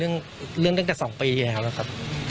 เรื่องลูกค้ามันเป็นเรื่องตั้งแต่๒ปีที่แล้วครับ